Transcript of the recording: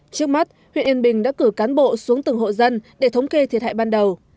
trước mắt huyện yên bình đã cử cán bộ xuống từng hộ dân để thống kê thiệt hại ban đầu